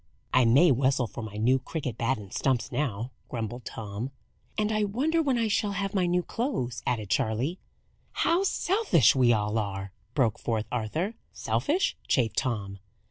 "I may whistle for my new cricket bat and stumps now," grumbled Tom. "And I wonder when I shall have my new clothes?" added Charley. "How selfish we all are!" broke forth Arthur. "Selfish?" chafed Tom.